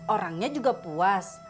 orangnya juga puas